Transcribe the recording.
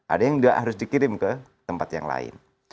ada yang harus dikirim ke tempat yang lain